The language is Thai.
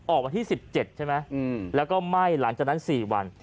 ออกวันที่๑๗ใช่ไหมแล้วก็ไหม้หลังจากนั้น๔วัน